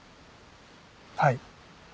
はい。